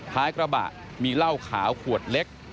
ท้ายกระบะมีเหล้าขาวขวดเล็ก